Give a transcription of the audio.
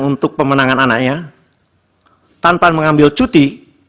untuk pemenangan anaknya tanpa mengambil cuti